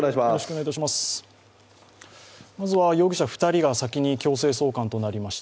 まずは容疑者２人が先に強制送還となりました。